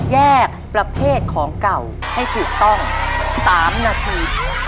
แยกประเภทของเก่าให้ถูกต้อง๓นาที